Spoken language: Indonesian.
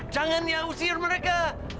jangan ya usir mereka